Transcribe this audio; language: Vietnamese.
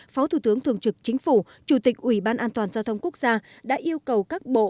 phó thủ tướng thường trực chính phủ chủ tịch ủy ban an toàn giao thông quốc gia đã yêu cầu các bộ